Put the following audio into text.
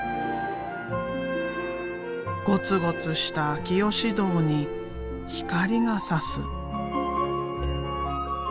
ゴツゴツした秋芳洞に光がさす。